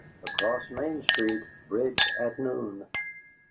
ACROSS MAIN STREET BRIDGE AT NOON!"